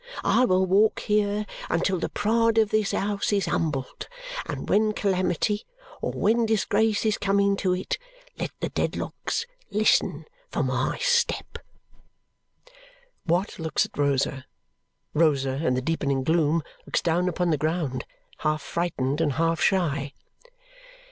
I will walk here until the pride of this house is humbled. And when calamity or when disgrace is coming to it, let the Dedlocks listen for my step!'" Watt looks at Rosa. Rosa in the deepening gloom looks down upon the ground, half frightened and half shy.